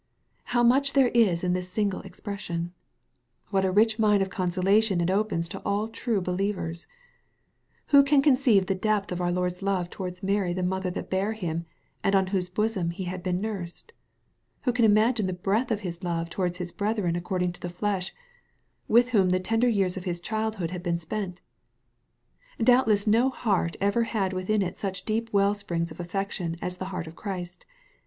How much there is in this single expression ! What a rich mine of consolation it opens to all true be lievers ! Who can conceive the depth of our Lord's love towards Mary the mother that bare Him, and on whose bosom He had been nursed ? Who can imagine the breadth of His love towards His brethren according to the flesh, with whom the tender years of his child hood had been spent ? Doubtless no heart ever had within it such deep well springs of affection as the heart of Christ.